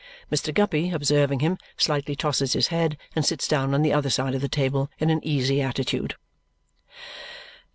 Mr. Guppy, observing him, slightly tosses his head and sits down on the other side of the table in an easy attitude.